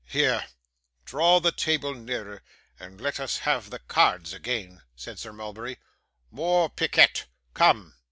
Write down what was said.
'Here, draw the table nearer, and let us have the cards again,' said Sir Mulberry. 'More piquet. Come.